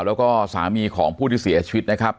แล้วก็สามีของผู้ที่เสียชีวิตนะครับ